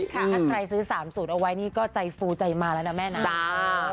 ถ้าใครซื้อ๓สูตรเอาไว้นี่ก็ใจฟูใจมาแล้วนะแม่นะ